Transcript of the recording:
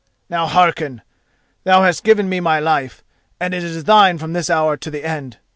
Now hearken. Thou hast given me my life, and it is thine from this hour to the end.